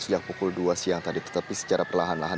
sejak pukul dua siang tadi tetapi secara perlahan lahan